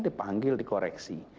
saya dipanggil di koreksi